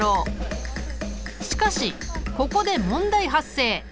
しかしここで問題発生！